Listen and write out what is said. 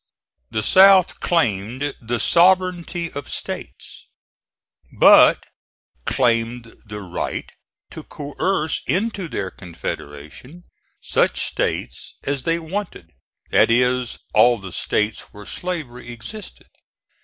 The South claimed the sovereignty of States, but claimed the right to coerce into their confederation such States as they wanted, that is, all the States where slavery existed.